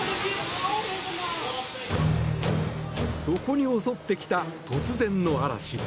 そこに襲ってきた突然の嵐。